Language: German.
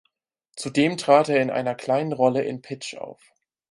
Zudem trat er in einer kleinen Rolle in "Pitch" auf.